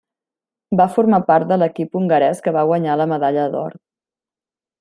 Va formar part de l'equip hongarès que va guanyar la medalla d'or.